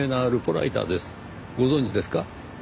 ご存じですか？